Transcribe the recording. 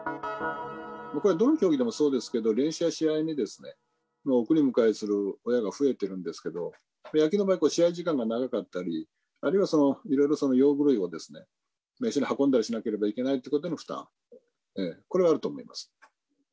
これはどの競技もそうですけれども、練習や試合に送り迎えする親が増えてるんですけれども、野球の場合、試合時間が長かったり、あるいはいろいろ用具類を一緒に運んだりしなければいけないという負担、これはあると思います。